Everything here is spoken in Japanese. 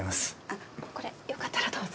これよかったらどうぞ。